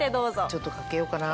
ちょっとかけようかな。